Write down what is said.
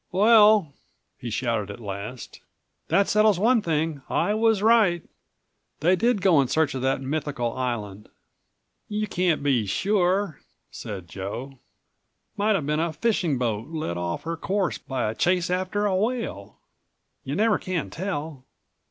"Well!" he shouted at last, "that settles one thing. I was right. They did go in search of that mythical island." "You can't be sure," said Joe. "Might have been a fishing boat led off her course by a chase after a whale. You never can tell."